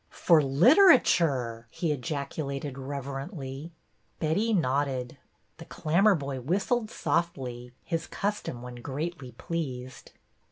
''For Literature!" he ejaculated reverently. Betty nodded. The Clammerboy whistled softly, his custom when greatly pleased.